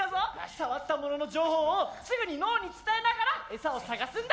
触ったものの情報をすぐに脳に伝えながらエサを探すんだ。